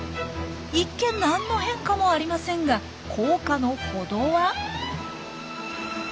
一見何の変化もありませんが効果のほどは？